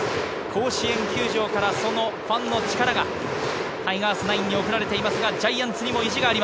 甲子園球場から、そのファンの力がタイガースナインに送られていますが、ジャイアンツにも意地があ